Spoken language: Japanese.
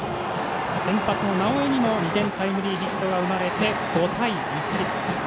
先発の直江にも２点タイムリーヒットが生まれて５対１。